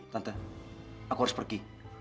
tante aku harus pergi